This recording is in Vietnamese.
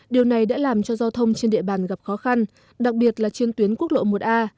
điều này đã làm cho giao thông trên địa bàn gặp khó khăn đặc biệt là trên tuyến quốc lộ một a